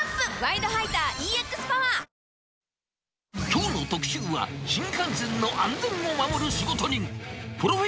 きょうの特集は、新幹線の安全を守る仕事人。